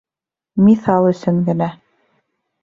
- Миҫал өсөн генә...